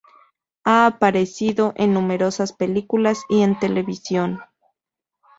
Ha aparecido en numerosas películas y en televisión.